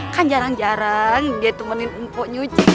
kan jarang jarang dia temenin mpok nyuci